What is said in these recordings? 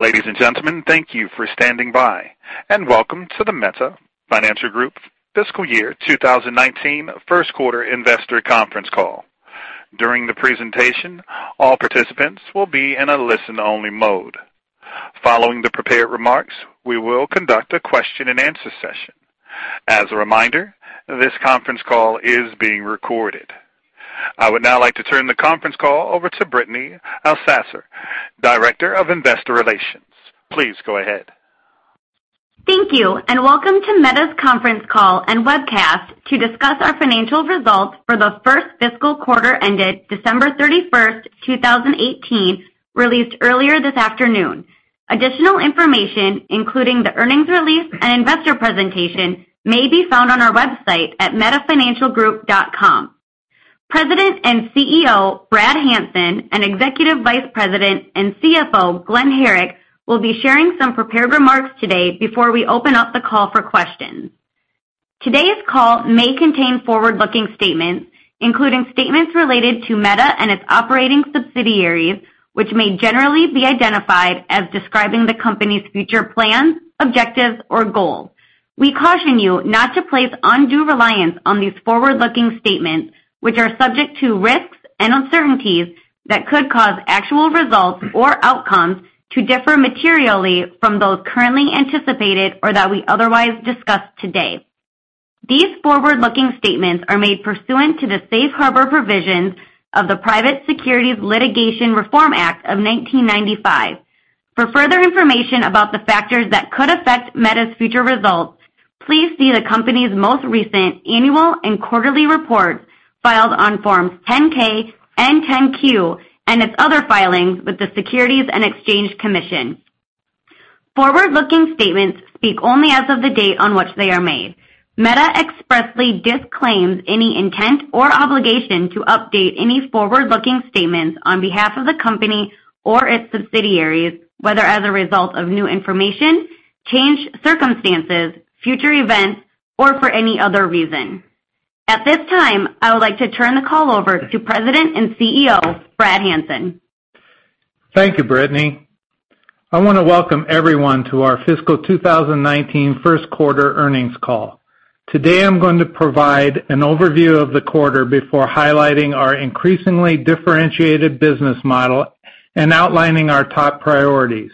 Ladies and gentlemen, thank you for standing by, and welcome to the Meta Financial Group fiscal year 2019 first quarter investor conference call. During the presentation, all participants will be in a listen-only mode. Following the prepared remarks, we will conduct a question and answer session. As a reminder, this conference call is being recorded. I would now like to turn the conference call over to Brittany Alsasser, Director of Investor Relations. Please go ahead. Thank you, and welcome to Meta's conference call and webcast to discuss our financial results for the first fiscal quarter ended December 31st, 2018, released earlier this afternoon. Additional information, including the earnings release and investor presentation, may be found on our website at metafinancialgroup.com. President and CEO, Brad Hanson, and Executive Vice President and CFO, Glenn Herrick, will be sharing some prepared remarks today before we open up the call for questions. Today's call may contain forward-looking statements, including statements related to Meta and its operating subsidiaries, which may generally be identified as describing the company's future plans, objectives, or goals. We caution you not to place undue reliance on these forward-looking statements, which are subject to risks and uncertainties that could cause actual results or outcomes to differ materially from those currently anticipated or that we otherwise discuss today. These forward-looking statements are made pursuant to the safe harbor provisions of the Private Securities Litigation Reform Act of 1995. For further information about the factors that could affect Meta's future results, please see the company's most recent annual and quarterly reports filed on forms 10-K and 10-Q, and its other filings with the Securities and Exchange Commission. Forward-looking statements speak only as of the date on which they are made. Meta expressly disclaims any intent or obligation to update any forward-looking statements on behalf of the company or its subsidiaries, whether as a result of new information, changed circumstances, future events, or for any other reason. At this time, I would like to turn the call over to President and CEO, Brad Hanson. Thank you, Brittany. I want to welcome everyone to our fiscal 2019 first quarter earnings call. Today, I'm going to provide an overview of the quarter before highlighting our increasingly differentiated business model and outlining our top priorities.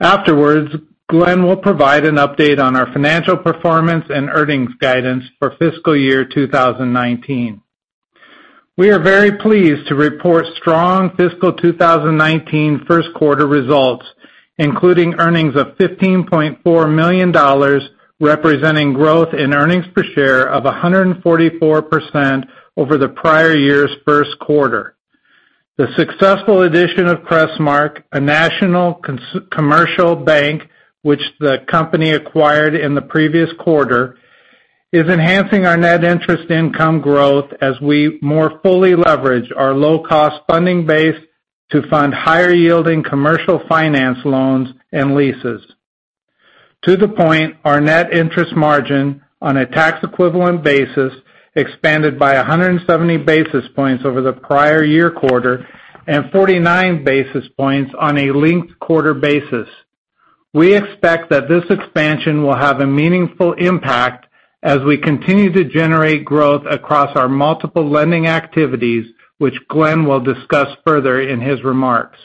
Afterwards, Glenn will provide an update on our financial performance and earnings guidance for fiscal year 2019. We are very pleased to report strong fiscal 2019 first quarter results, including earnings of $15.4 million, representing growth in earnings per share of 144% over the prior year's first quarter. The successful addition of Crestmark, a national commercial bank which the company acquired in the previous quarter, is enhancing our net interest income growth as we more fully leverage our low-cost funding base to fund higher-yielding commercial finance loans and leases. To the point, our net interest margin on a tax-equivalent basis expanded by 170 basis points over the prior year quarter and 49 basis points on a linked-quarter basis. We expect that this expansion will have a meaningful impact as we continue to generate growth across our multiple lending activities, which Glen will discuss further in his remarks.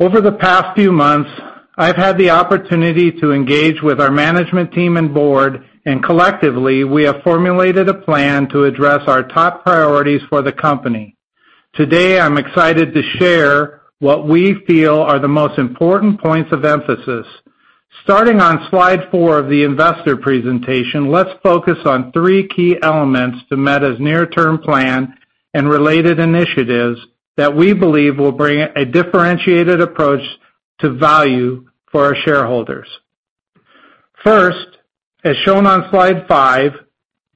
Over the past few months, I've had the opportunity to engage with our management team and board, and collectively, we have formulated a plan to address our top priorities for the company. Today, I'm excited to share what we feel are the most important points of emphasis. Starting on slide four of the investor presentation, let's focus on three key elements to Meta's near-term plan and related initiatives that we believe will bring a differentiated approach to value for our shareholders. First, as shown on slide five,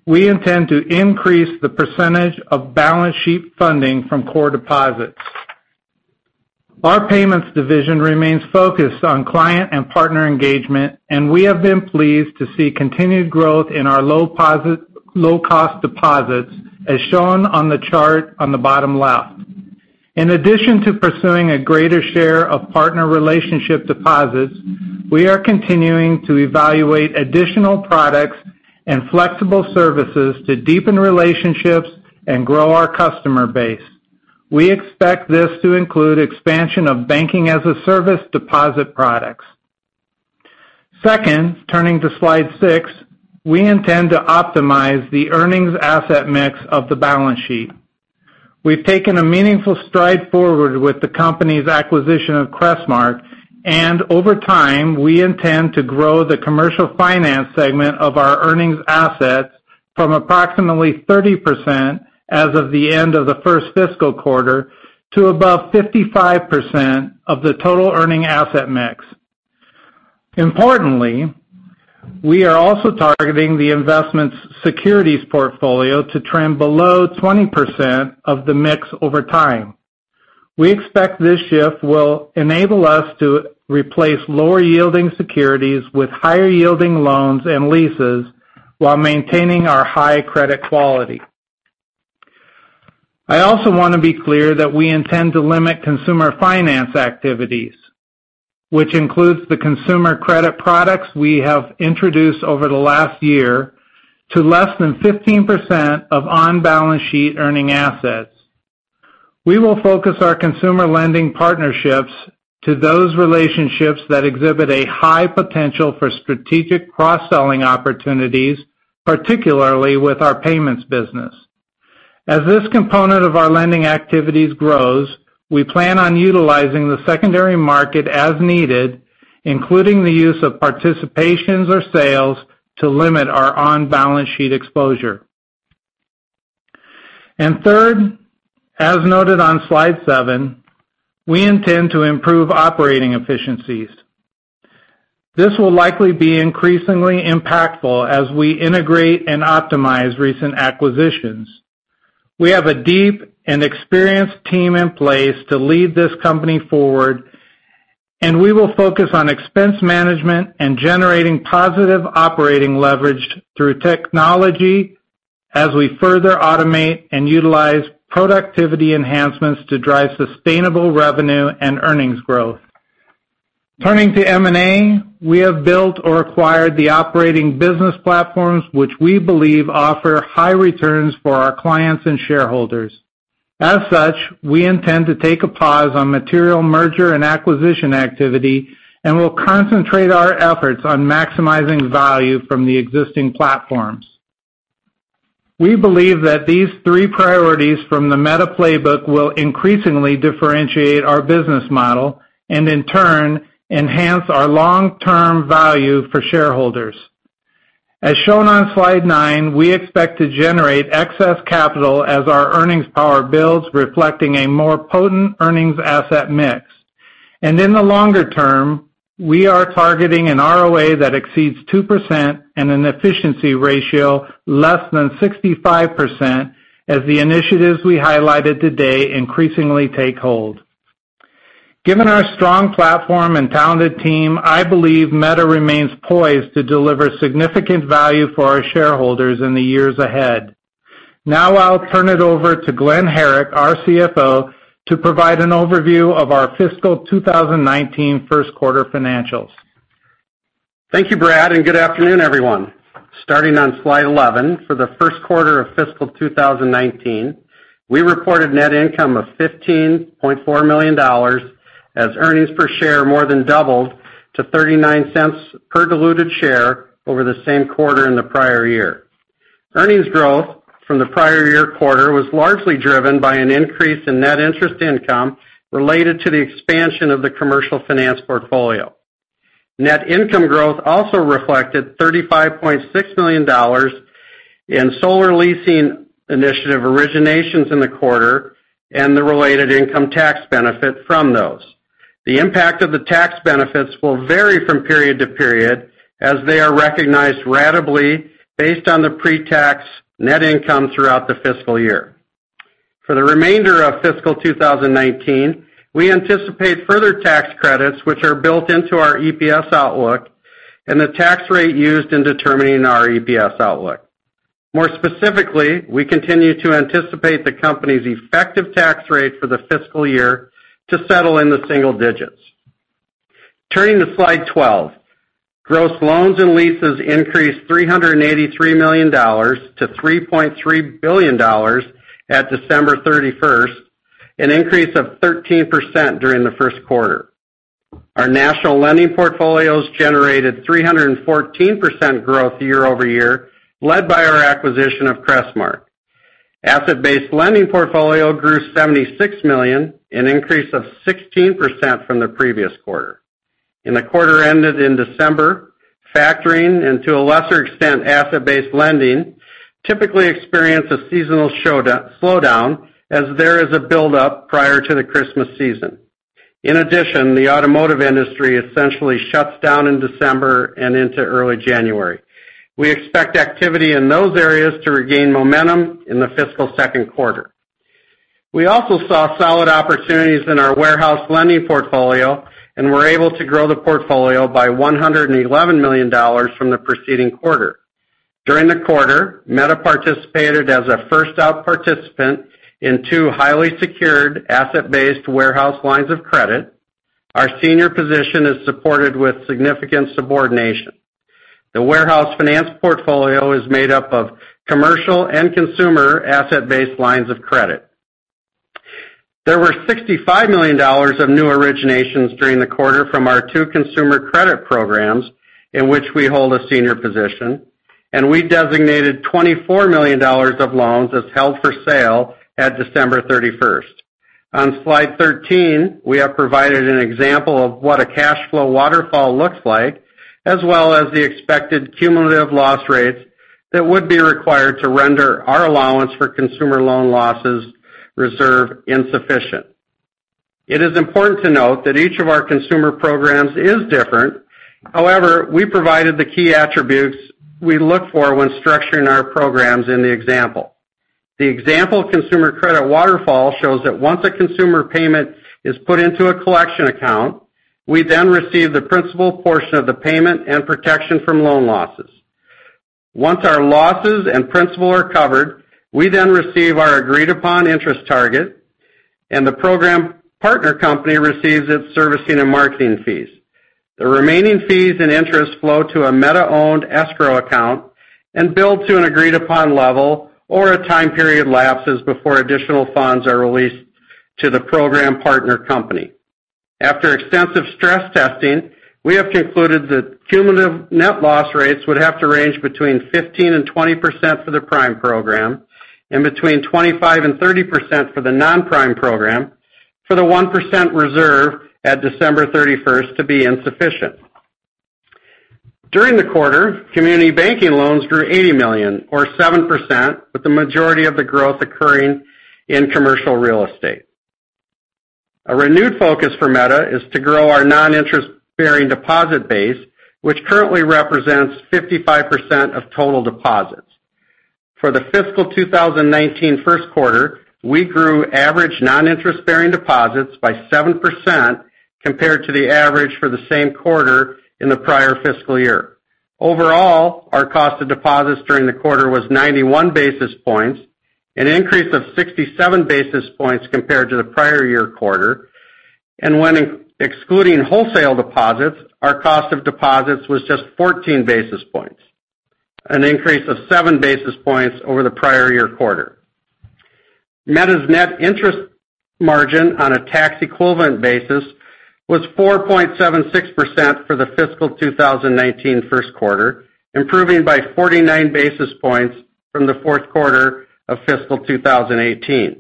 we intend to increase the percentage of balance sheet funding from core deposits. Our payments division remains focused on client and partner engagement, and we have been pleased to see continued growth in our low-cost deposits, as shown on the chart on the bottom left. In addition to pursuing a greater share of partner relationship deposits, we are continuing to evaluate additional products and flexible services to deepen relationships and grow our customer base. We expect this to include expansion of banking-as-a-service deposit products. Second, turning to slide six, we intend to optimize the earnings asset mix of the balance sheet. We've taken a meaningful stride forward with the company's acquisition of Crestmark. Over time, we intend to grow the commercial finance segment of our earnings assets from approximately 30% as of the end of the first fiscal quarter to above 55% of the total earning asset mix. Importantly, we are also targeting the investments securities portfolio to trend below 20% of the mix over time. We expect this shift will enable us to replace lower-yielding securities with higher-yielding loans and leases while maintaining our high credit quality. I also want to be clear that we intend to limit consumer finance activities, which includes the consumer credit products we have introduced over the last year, to less than 15% of on-balance sheet earning assets. We will focus our consumer lending partnerships to those relationships that exhibit a high potential for strategic cross-selling opportunities, particularly with our payments business. As this component of our lending activities grows, we plan on utilizing the secondary market as needed, including the use of participations or sales to limit our on-balance sheet exposure. Third, as noted on slide seven, we intend to improve operating efficiencies. This will likely be increasingly impactful as we integrate and optimize recent acquisitions. We have a deep and experienced team in place to lead this company forward, and we will focus on expense management and generating positive operating leverage through technology as we further automate and utilize productivity enhancements to drive sustainable revenue and earnings growth. Turning to M&A, we have built or acquired the operating business platforms, which we believe offer high returns for our clients and shareholders. As such, we intend to take a pause on material merger and acquisition activity, and we'll concentrate our efforts on maximizing value from the existing platforms. We believe that these three priorities from the Meta playbook will increasingly differentiate our business model, and in turn, enhance our long-term value for shareholders. As shown on slide 9, we expect to generate excess capital as our earnings power builds, reflecting a more potent earnings asset mix. In the longer term, we are targeting an ROA that exceeds 2% and an efficiency ratio less than 65% as the initiatives we highlighted today increasingly take hold. Given our strong platform and talented team, I believe Meta remains poised to deliver significant value for our shareholders in the years ahead. Now I'll turn it over to Glen Herrick, our CFO, to provide an overview of our fiscal 2019 first quarter financials. Thank you, Brad, and good afternoon, everyone. Starting on slide 11, for the first quarter of fiscal 2019, we reported net income of $15.4 million as earnings per share more than doubled to $0.39 per diluted share over the same quarter in the prior year. Earnings growth from the prior year quarter was largely driven by an increase in net interest income related to the expansion of the commercial finance portfolio. Net income growth also reflected $35.6 million in solar leasing initiative originations in the quarter and the related income tax benefit from those. The impact of the tax benefits will vary from period to period as they are recognized ratably based on the pre-tax net income throughout the fiscal year. For the remainder of fiscal 2019, we anticipate further tax credits which are built into our EPS outlook and the tax rate used in determining our EPS outlook. More specifically, we continue to anticipate the company's effective tax rate for the fiscal year to settle in the single digits. Turning to slide 12. Gross loans and leases increased $383 million to $3.3 billion at December 31st, an increase of 13% during the first quarter. Our national lending portfolios generated 314% growth year-over-year, led by our acquisition of Crestmark. Asset-based lending portfolio grew $76 million, an increase of 16% from the previous quarter. In the quarter ended in December, factoring and to a lesser extent, asset-based lending, typically experience a seasonal slowdown as there is a build-up prior to the Christmas season. In addition, the automotive industry essentially shuts down in December and into early January. We expect activity in those areas to regain momentum in the fiscal second quarter. We also saw solid opportunities in our warehouse lending portfolio and were able to grow the portfolio by $111 million from the preceding quarter. During the quarter, Meta participated as a first out participant in two highly secured asset-based warehouse lines of credit. Our senior position is supported with significant subordination. The warehouse finance portfolio is made up of commercial and consumer asset-based lines of credit. There were $65 million of new originations during the quarter from our two consumer credit programs in which we hold a senior position, and we designated $24 million of loans as held for sale at December 31st. On slide 13, we have provided an example of what a cash flow waterfall looks like, as well as the expected cumulative loss rates that would be required to render our allowance for consumer loan losses reserve insufficient. It is important to note that each of our consumer programs is different. We provided the key attributes we look for when structuring our programs in the example. The example consumer credit waterfall shows that once a consumer payment is put into a collection account, we then receive the principal portion of the payment and protection from loan losses. Once our losses and principal are covered, we then receive our agreed-upon interest target, and the program partner company receives its servicing and marketing fees. The remaining fees and interest flow to a Meta-owned escrow account and build to an agreed-upon level or a time period lapses before additional funds are released to the program partner company. After extensive stress testing, we have concluded that cumulative net loss rates would have to range between 15% and 20% for the prime program and between 25% and 30% for the non-prime program for the 1% reserve at December 31st to be insufficient. During the quarter, community banking loans grew $80 million or 7%, with the majority of the growth occurring in commercial real estate. A renewed focus for Meta is to grow our non-interest-bearing deposit base, which currently represents 55% of total deposits. For the fiscal 2019 first quarter, we grew average non-interest-bearing deposits by 7% compared to the average for the same quarter in the prior fiscal year. Overall, our cost of deposits during the quarter was 91 basis points, an increase of 67 basis points compared to the prior year quarter. When excluding wholesale deposits, our cost of deposits was just 14 basis points, an increase of seven basis points over the prior year quarter. Meta's net interest margin on a tax-equivalent basis was 4.76% for the fiscal 2019 first quarter, improving by 49 basis points from the fourth quarter of fiscal 2018.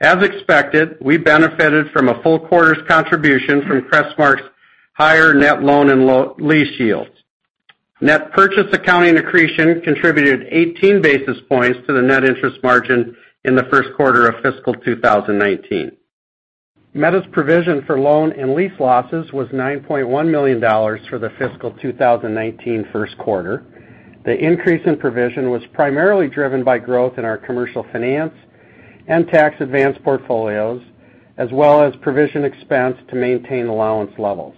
As expected, we benefited from a full quarter's contribution from Crestmark's higher net loan and lease yields. Net purchase accounting accretion contributed 18 basis points to the net interest margin in the first quarter of fiscal 2019. Meta's provision for loan and lease losses was $9.1 million for the fiscal 2019 first quarter. The increase in provision was primarily driven by growth in our commercial finance and tax advance portfolios, as well as provision expense to maintain allowance levels.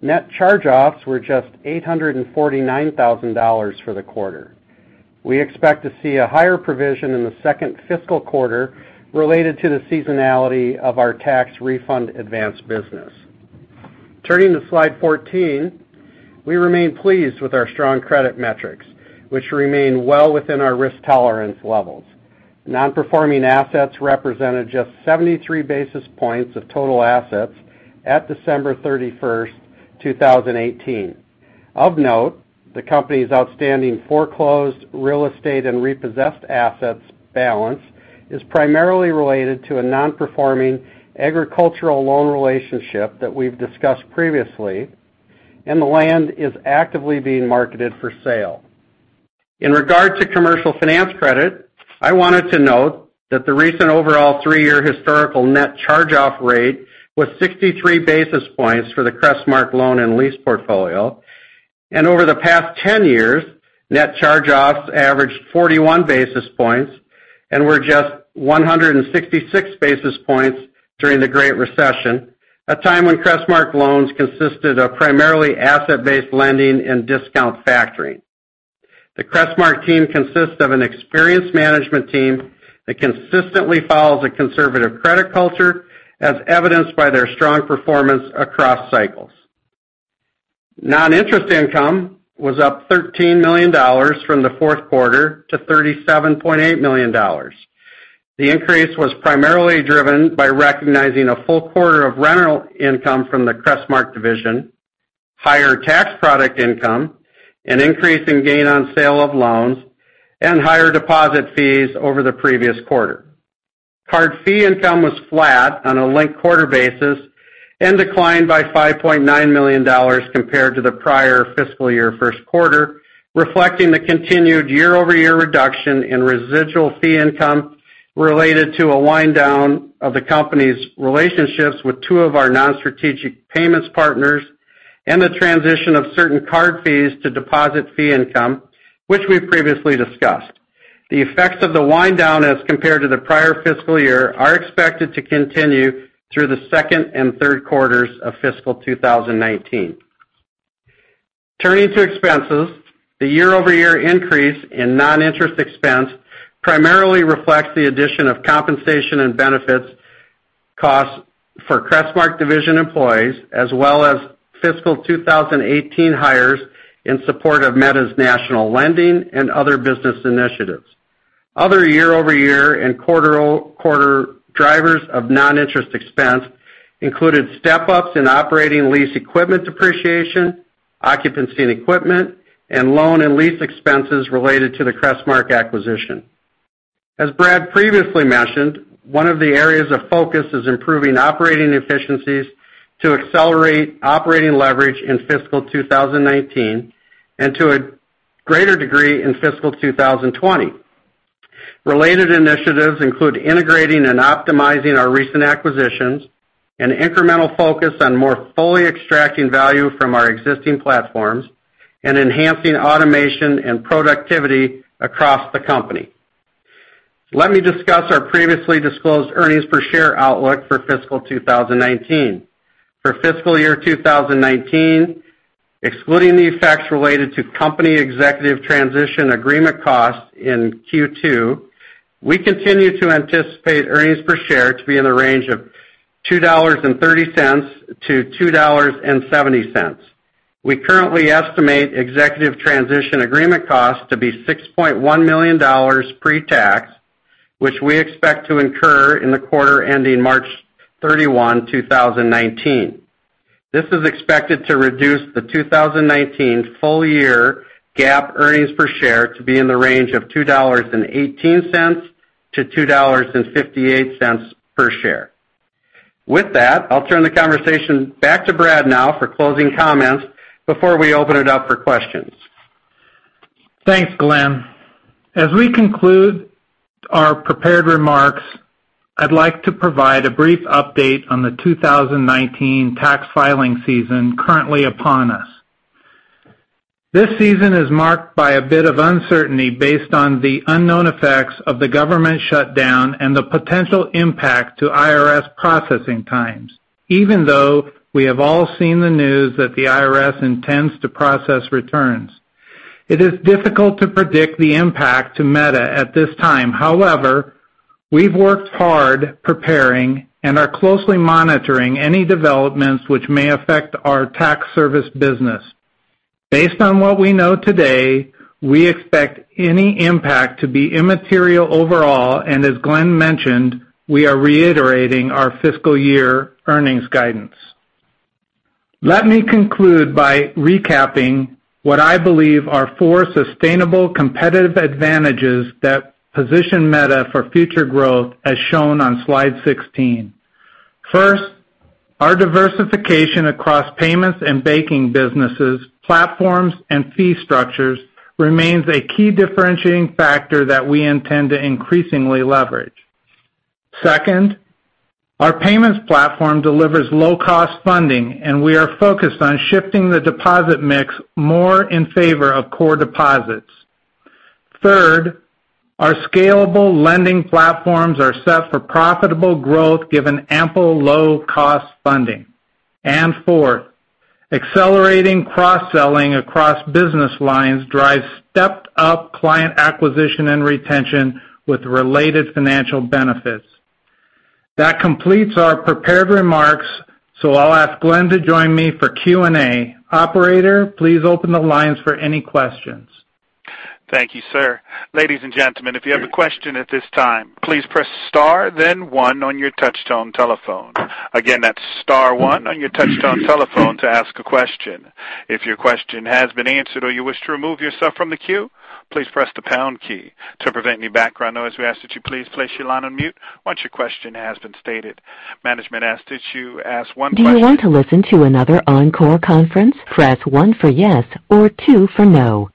Net charge-offs were just $849,000 for the quarter. We expect to see a higher provision in the second fiscal quarter related to the seasonality of our tax refund advance business. Turning to Slide 14. We remain pleased with our strong credit metrics, which remain well within our risk tolerance levels. Non-performing assets represented just 73 basis points of total assets at December 31st, 2018. Of note, the company's outstanding foreclosed real estate and repossessed assets balance is primarily related to a non-performing agricultural loan relationship that we've discussed previously, and the land is actively being marketed for sale. In regard to commercial finance credit, I wanted to note that the recent overall three-year historical net charge-off rate was 63 basis points for the Crestmark loan and lease portfolio. Over the past 10 years, net charge-offs averaged 41 basis points and were just 166 basis points during the Great Recession, a time when Crestmark loans consisted of primarily asset-based lending and discount factoring. The Crestmark team consists of an experienced management team that consistently follows a conservative credit culture, as evidenced by their strong performance across cycles. Non-interest income was up $13 million from the fourth quarter to $37.8 million. The increase was primarily driven by recognizing a full quarter of rental income from the Crestmark division, higher tax product income, an increase in gain on sale of loans, and higher deposit fees over the previous quarter. Card fee income was flat on a linked-quarter basis and declined by $5.9 million compared to the prior fiscal year first quarter, reflecting the continued year-over-year reduction in residual fee income related to a wind down of the company's relationships with two of our non-strategic payments partners and the transition of certain card fees to deposit fee income, which we've previously discussed. The effects of the wind down as compared to the prior fiscal year are expected to continue through the second and third quarters of fiscal 2019. Turning to expenses. The year-over-year increase in non-interest expense primarily reflects the addition of compensation and benefits costs for Crestmark division employees, as well as fiscal 2018 hires in support of Meta's national lending and other business initiatives. Other year-over-year and quarter drivers of non-interest expense included step-ups in operating lease equipment depreciation, occupancy and equipment, and loan and lease expenses related to the Crestmark acquisition. As Brad previously mentioned, one of the areas of focus is improving operating efficiencies to accelerate operating leverage in fiscal 2019 and to a greater degree in fiscal 2020. Related initiatives include integrating and optimizing our recent acquisitions, an incremental focus on more fully extracting value from our existing platforms, and enhancing automation and productivity across the company. Let me discuss our previously disclosed earnings per share outlook for fiscal 2019. For fiscal year 2019, excluding the effects related to company executive transition agreement costs in Q2, we continue to anticipate earnings per share to be in the range of $2.30-$2.70. We currently estimate executive transition agreement costs to be $6.1 million pre-tax, which we expect to incur in the quarter ending March 31, 2019. This is expected to reduce the 2019 full year GAAP earnings per share to be in the range of $2.18-$2.58 per share. With that, I'll turn the conversation back to Brad now for closing comments before we open it up for questions. Thanks, Glen. As we conclude our prepared remarks, I'd like to provide a brief update on the 2019 tax filing season currently upon us. This season is marked by a bit of uncertainty based on the unknown effects of the government shutdown and the potential impact to IRS processing times, even though we have all seen the news that the IRS intends to process returns. It is difficult to predict the impact to Meta at this time. However, we've worked hard preparing and are closely monitoring any developments which may affect our tax service business. Based on what we know today, we expect any impact to be immaterial overall, and as Glen mentioned, we are reiterating our fiscal year earnings guidance. Let me conclude by recapping what I believe are four sustainable competitive advantages that position Meta for future growth, as shown on slide 16. First, our diversification across payments and banking businesses, platforms, and fee structures remains a key differentiating factor that we intend to increasingly leverage. Second, our payments platform delivers low-cost funding, and we are focused on shifting the deposit mix more in favor of core deposits. Third, our scalable lending platforms are set for profitable growth given ample low-cost funding. Fourth, accelerating cross-selling across business lines drives stepped-up client acquisition and retention with related financial benefits. That completes our prepared remarks, so I'll ask Glen to join me for Q&A. Operator, please open the lines for any questions. Thank you, sir. Ladies and gentlemen, if you have a question at this time, please press star then one on your touchtone telephone. Again, that's star one on your touchtone telephone to ask a question. If your question has been answered or you wish to remove yourself from the queue, please press the pound key. To prevent any background noise, we ask that you please place your line on mute once your question has been stated. Management asks that you ask one question. Do you want to listen to another Encore conference? Press one for yes or two for no.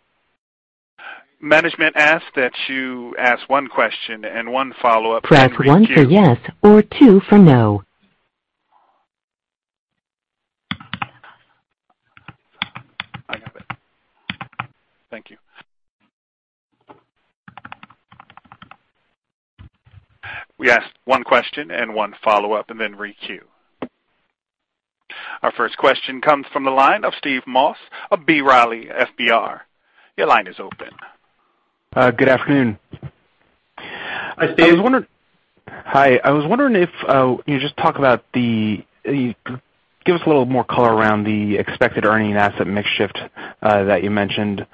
Management asks that you ask one question and one follow-up and then re-queue. Press one for yes or two for no. I have it. Thank you. We ask one question and one follow-up, and then re-queue. Our first question comes from the line of Steve Moss of B. Riley FBR. Your line is open. Good afternoon. Hi, Steve. Hi. I was wondering if you could give us a little more color around the expected earning asset mix shift that you mentioned,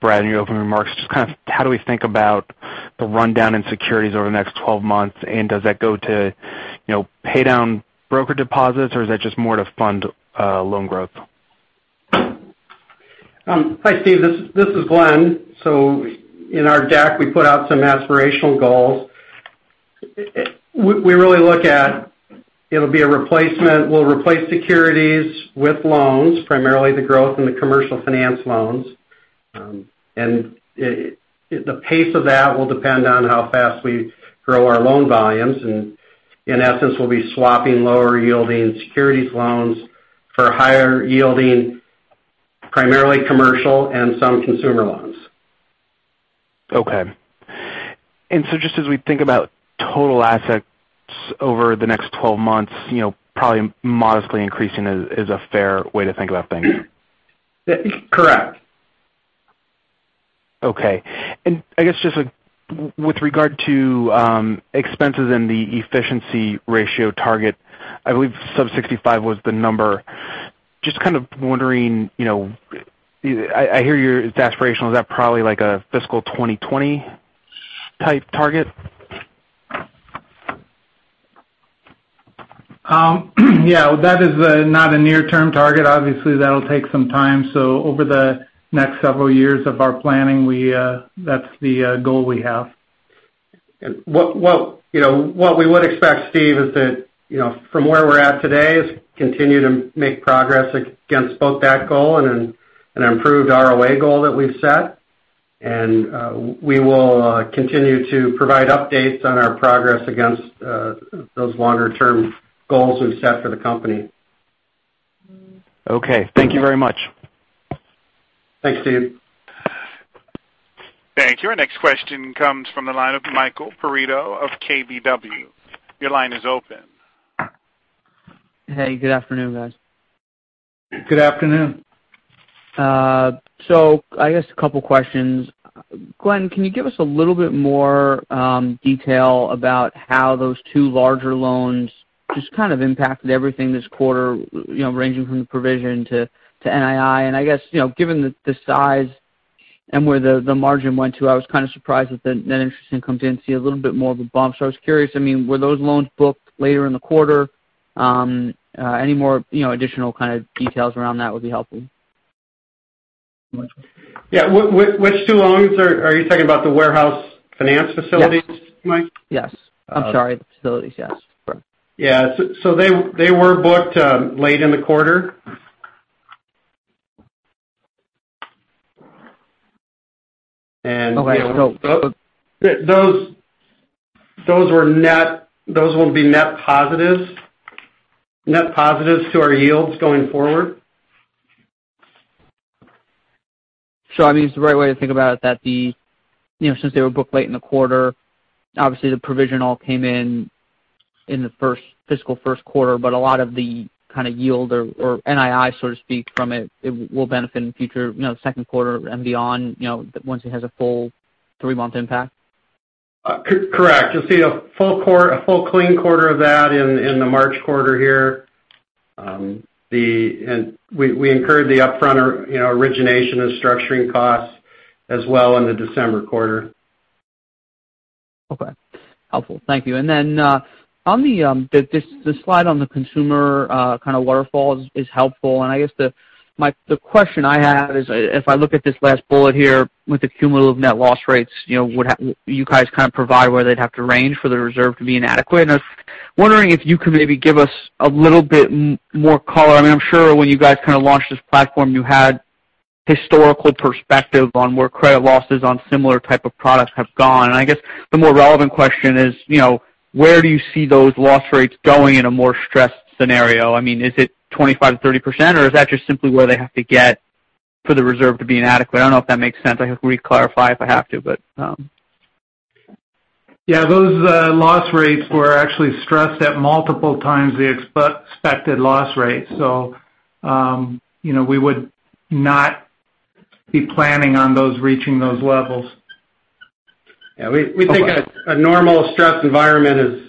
Brad, in your opening remarks. Just kind of how do we think about the rundown in securities over the next 12 months, does that go to pay down broker deposits or is that just more to fund loan growth? Hi, Steve. This is Glen. In our deck, we put out some aspirational goals. We really look at it'll be a replacement. We'll replace securities with loans, primarily the growth in the commercial finance loans. The pace of that will depend on how fast we grow our loan volumes. In essence, we'll be swapping lower-yielding securities loans for higher yielding, primarily commercial and some consumer loans. Okay. Just as we think about total assets over the next 12 months, probably modestly increasing is a fair way to think about things. Correct. Okay. I guess just with regard to expenses and the efficiency ratio target, I believe sub 65 was the number. Just kind of wondering, I hear it's aspirational. Is that probably like a fiscal 2020 type target? Yeah. That is not a near-term target. Obviously, that'll take some time. Over the next several years of our planning, that's the goal we have. What we would expect, Steve, is that from where we're at today, is continue to make progress against both that goal and an improved ROA goal that we've set. We will continue to provide updates on our progress against those longer-term goals we've set for the company. Okay. Thank you very much. Thanks, Steve. Thank you. Our next question comes from the line of Michael Perito of KBW. Your line is open. Hey, good afternoon, guys. Good afternoon. I guess a couple questions. Glen, can you give us a little bit more detail about how those two larger loans just kind of impacted everything this quarter, ranging from the provision to NII? I guess, given the size and where the margin went to, I was kind of surprised that net interest income didn't see a little bit more of a bump. I was curious, were those loans booked later in the quarter? Any more additional kind of details around that would be helpful. Yeah. Which two loans? Are you talking about the warehouse finance facilities? Yes Mike? Yes. I'm sorry. The facilities. Yes. Correct. Yeah. They were booked late in the quarter. Okay. Those will be net positives to our yields going forward. I mean, is the right way to think about it that since they were booked late in the quarter, obviously the provision all came in in the fiscal first quarter, but a lot of the kind of yield or NII, so to speak, from it will benefit in future, second quarter and beyond, once it has a full three-month impact? Correct. You'll see a full, clean quarter of that in the March quarter here. We incurred the upfront origination and structuring costs as well in the December quarter. Okay. Helpful. Thank you. The slide on the consumer kind of waterfalls is helpful, and I guess the question I have is, if I look at this last bullet here with the cumulative net loss rates, you guys kind of provide where they'd have to range for the reserve to be inadequate, and I was wondering if you could maybe give us a little bit more color. I mean, I'm sure when you guys kind of launched this platform, you had historical perspective on where credit losses on similar type of products have gone. I guess the more relevant question is, where do you see those loss rates going in a more stressed scenario? I mean, is it 25%-30%, or is that just simply where they have to get for the reserve to be inadequate? I don't know if that makes sense. I can re-clarify if I have to. Yeah, those loss rates were actually stressed at multiple times the expected loss rates. We would not be planning on those reaching those levels. Yeah. Okay. We think a normal stress environment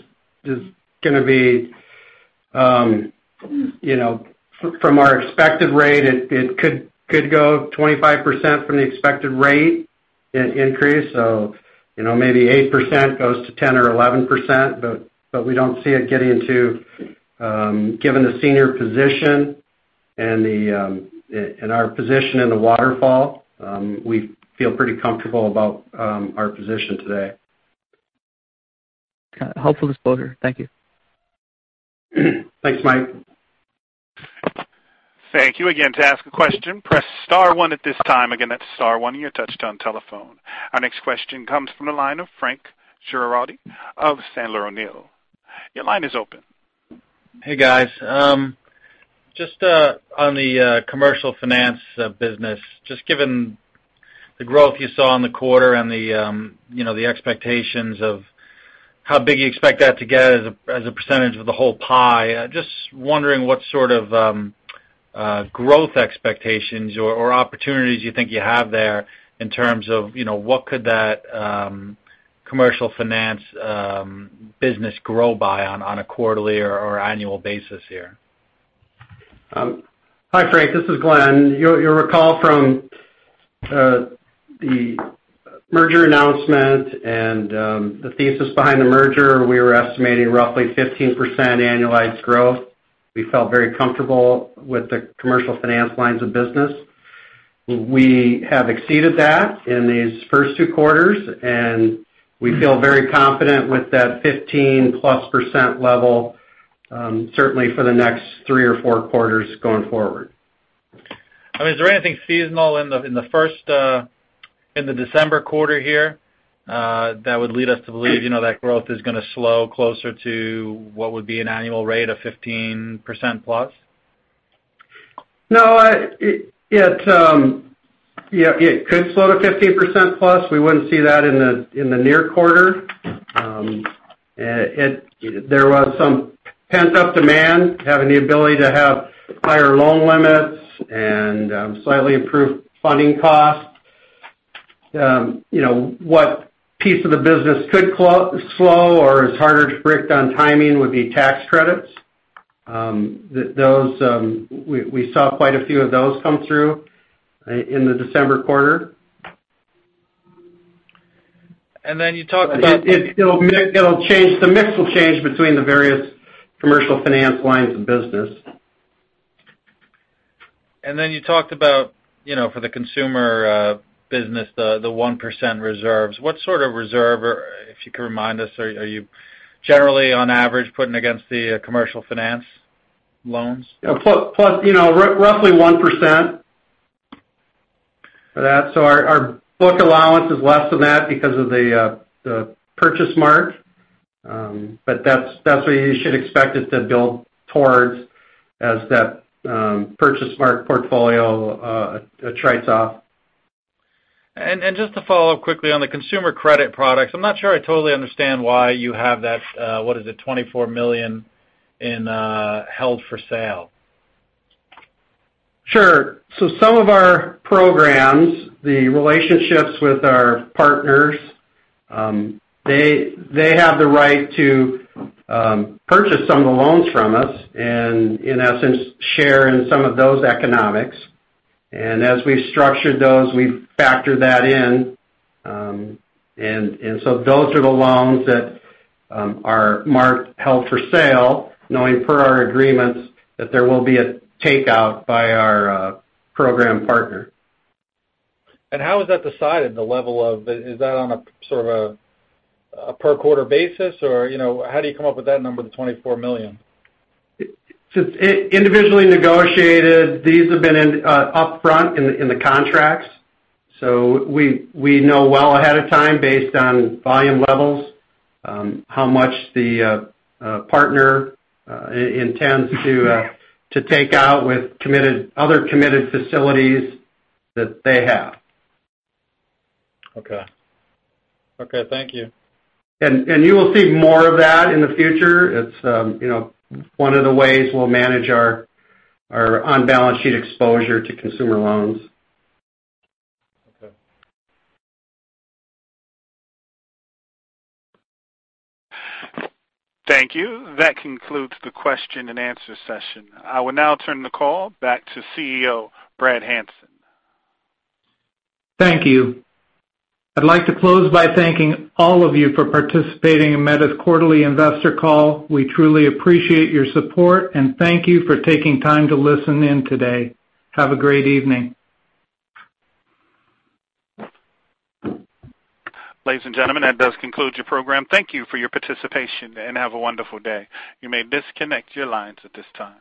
is going to be-- from our expected rate, it could go 25% from the expected rate increase. Maybe 8% goes to 10% or 11%, but we don't see it getting into, given the senior position and our position in the waterfall. We feel pretty comfortable about our position today. Okay. Helpful disclosure. Thank you. Thanks, Mike. Thank you. To ask a question, press *1 at this time. That's *1 on your touch-tone telephone. Our next question comes from the line of Frank Schiraldi of Sandler O'Neill. Your line is open. Hey, guys. Just on the commercial finance business, just given the growth you saw in the quarter and the expectations of how big you expect that to get as a percentage of the whole pie. Just wondering what sort of growth expectations or opportunities you think you have there in terms of what could that commercial finance business grow by on a quarterly or annual basis here? Hi, Frank. This is Glenn. You'll recall from the merger announcement and the thesis behind the merger, we were estimating roughly 15% annualized growth. We felt very comfortable with the commercial finance lines of business. We have exceeded that in these first two quarters, and we feel very confident with that 15%+-plus level certainly for the next three or four quarters going forward. I mean, is there anything seasonal in the December quarter here that would lead us to believe that growth is going to slow closer to what would be an annual rate of 15%+? No. It could slow to 15%+. We wouldn't see that in the near quarter. There was some pent-up demand, having the ability to have higher loan limits and slightly improved funding costs. What piece of the business could slow or is harder to predict on timing would be tax credits. We saw quite a few of those come through in the December quarter. You talked about. The mix will change between the various commercial finance lines of business. You talked about for the consumer business, the 1% reserves. What sort of reserve, if you could remind us, are you generally on average putting against the commercial finance loans? Plus roughly 1% for that. Our book allowance is less than that because of the purchase mark. That's what you should expect us to build towards as that purchase mark portfolio attrites off. Just to follow up quickly on the consumer credit products, I am not sure I totally understand why you have that, what is it, $24 million in held for sale? Sure. Some of our programs, the relationships with our partners, they have the right to purchase some of the loans from us and in essence, share in some of those economics. As we have structured those, we have factored that in. Those are the loans that are marked held for sale, knowing per our agreements that there will be a takeout by our program partner. How is that decided, the level of? Is that on a sort of a per-quarter basis or how do you come up with that number, the $24 million? It is individually negotiated. These have been upfront in the contracts, so we know well ahead of time based on volume levels, how much the partner intends to take out with other committed facilities that they have. Okay. Thank you. You will see more of that in the future. It's one of the ways we'll manage our on-balance sheet exposure to consumer loans. Okay. Thank you. That concludes the question and answer session. I will now turn the call back to CEO, Brad Hanson. Thank you. I'd like to close by thanking all of you for participating in Meta's quarterly investor call. We truly appreciate your support, and thank you for taking time to listen in today. Have a great evening. Ladies and gentlemen, that does conclude your program. Thank you for your participation. Have a wonderful day. You may disconnect your lines at this time.